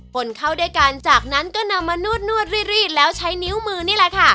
นเข้าด้วยกันจากนั้นก็นำมานวดรีดแล้วใช้นิ้วมือนี่แหละค่ะ